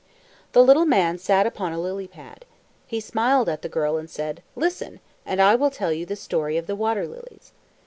The little man sat upon a lily pad. He smiled at the girl and said, "Listen, and I will tell you the story of the water lilies."